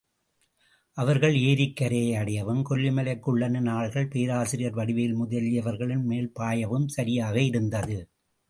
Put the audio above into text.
அவர்கள் ஏரிக்கரையை அடையவும், கொல்லிமலைக் குள்ளனின் ஆள்கள் பேராசிரியர் வடிவேல் முதலியவர்களின் மேல் பாயவும் சரியாக இருந்தது.